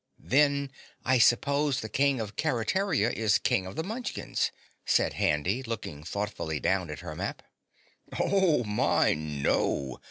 "Then I suppose the King of Keretaria is King of the Munchkins?" said Handy, looking thoughtfully down at her map. "Oh, my, no!"